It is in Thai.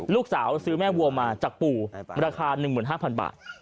ลูกสาวซื้อแม่วัวมาจากปู่ราคา๑๕๐๐บาท